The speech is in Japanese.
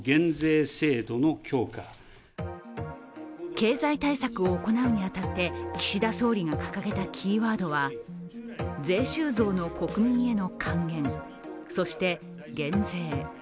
経済対策を行うに当たって岸田総理が掲げたキーワードは税収増の国民への還元、そして減税。